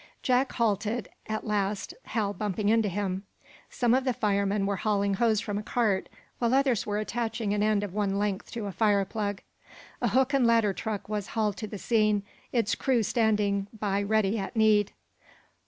Jack halted, at last, Hal bumping into him. Some of the firemen were hauling hose from a cart, while others were attaching an end of one length to a fireplug. A hook and ladder truck was hauled to the scene, its crew standing by ready at need.